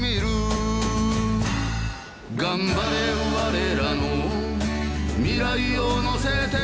「頑張れ我らの未来をのせて」